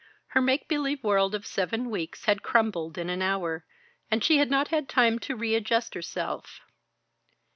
Her make believe world of seven weeks had crumbled in an hour, and she had not had time to readjust herself.